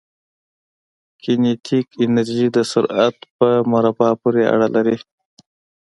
کینیتیک انرژي د سرعت په مربع پورې اړه لري.